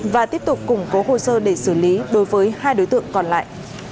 và tiếp tục củng cố hồ sơ để xử lý đối với hai đối tượng còn lại